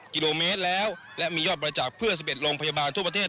กิโลเมตรแล้วและมียอดบริจาคเพื่อ๑๑โรงพยาบาลทั่วประเทศ